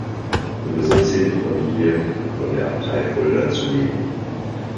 Den Besitz hielt die Familie von der Abtei Fulda zu Lehen.